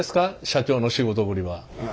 社長の仕事ぶりは。